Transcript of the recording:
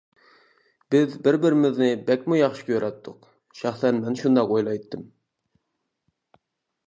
بىز بىر-بىرىمىزنى بەكمۇ ياخشى كۆرەتتۇق، شەخسەن مەن شۇنداق ئويلايتتىم.